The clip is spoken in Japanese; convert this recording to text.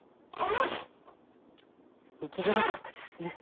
生きづらかったですね。